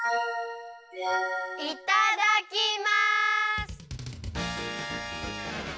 いただきます！